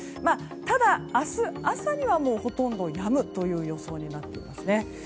ただ、明日朝にはほとんどやむという予想になっています。